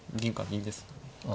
銀ですね。